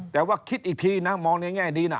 แต่ว่าคิดอีกทีมองง่ายดีนะ